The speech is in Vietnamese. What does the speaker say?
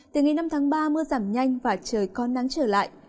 từ ngày năm tháng ba mưa giảm nhanh và trời có nắng trở lại